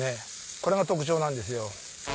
これが特徴なんですよ。